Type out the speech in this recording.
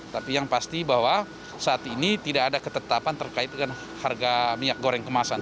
tapi yang pasti bahwa saat ini tidak ada ketetapan terkait dengan harga minyak goreng kemasan